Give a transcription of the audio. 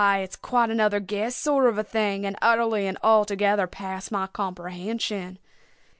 it's quite another guess sort of a thing, and utterly and altogether past my comprehension."